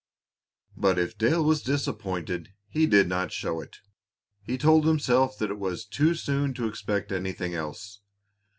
But if Dale was disappointed, he did not show it. He told himself that it was too soon to expect anything else.